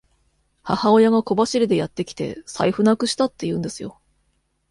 母親が小走りでやってきて、財布なくしたって言うんですよ。